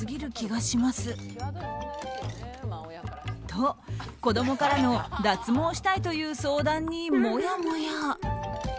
と、子供からの脱毛したいという相談にもやもや。